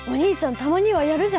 たまにはやるじゃん。